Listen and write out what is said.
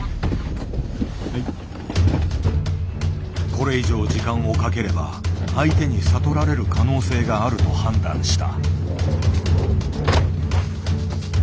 これ以上時間をかければ相手に悟られる可能性があると判断した。